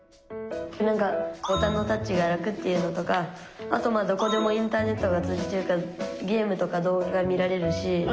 ボタンのタッチが楽っていうのとかあとどこでもインターネットが通じてるからゲームとか動画が見られるし。